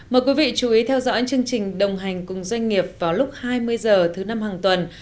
mời quý vị chú ý theo dõi chương trình đồng hành cùng doanh nghiệp vào lúc hai mươi h thứ năm hàng tuần